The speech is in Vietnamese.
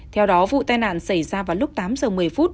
theo đó vụ tai nạn xảy ra vào lúc tám giờ một mươi phút